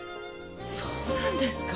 そうなんですか？